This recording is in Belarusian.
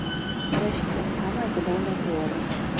Нарэшце, самая забаўная тэорыя.